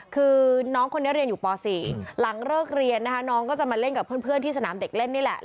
คือน้องคนนี้เรียนอยู่ป๔หลังเลิกเรียนนะคะน้องก็จะมาเล่นกับเพื่อนที่สนามเด็กเล่นนี่แหละ